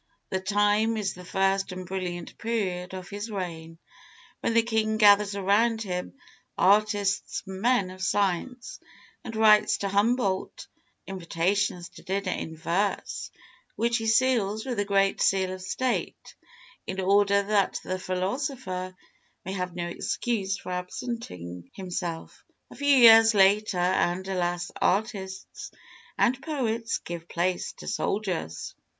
The time is the first and brilliant period of his reign, when the king gathers around him artists and men of science, and writes to Humboldt invitations to dinner in verse, which he seals with the great Seal of State, in order that the philosopher may have no excuse for absenting himself. A few years later, and, alas, artists and poets give place to soldiers!